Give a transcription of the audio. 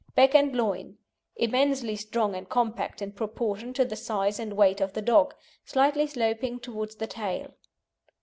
BACK AND LOIN Immensely strong and compact in proportion to the size and weight of the dog; slightly sloping towards the tail.